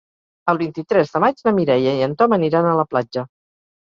El vint-i-tres de maig na Mireia i en Tom aniran a la platja.